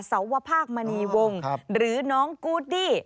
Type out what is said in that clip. สวภาคมณีวงหรือน้องกูดดี้